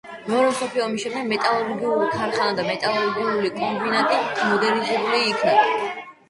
მეორე მსოფლიო ომის შემდეგ მეტალურგიული ქარხანა და მეტალურგიული კომბინატი მოდერნიზებული იქნა.